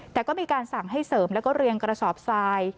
แต่ก็มีการสั่งให้เสริมแล้วก็เรียงกระสอบทราย